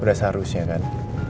udah seharusnya kan